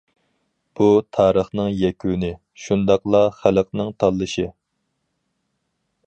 بۇ تارىخنىڭ يەكۈنى، شۇنداقلا خەلقنىڭ تاللىشى.